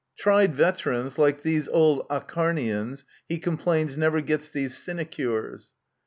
Introduction. Tried veterans, like these old Acharnians, he complains, never get these sinecures.